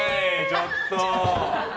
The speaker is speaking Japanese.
ちょっと。